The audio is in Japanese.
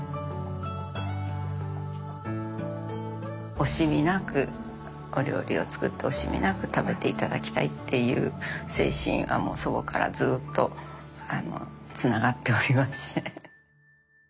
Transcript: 惜しみなくお料理を作って惜しみなく食べていただきたいっていう精神はそこからずっとつながっております。